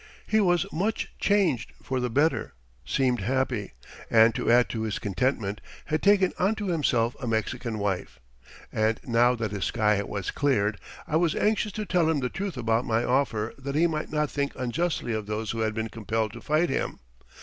He was much changed for the better, seemed happy, and to add to his contentment, had taken unto himself a Mexican wife. And now that his sky was cleared, I was anxious to tell him the truth about my offer that he might not think unjustly of those who had been compelled to fight him.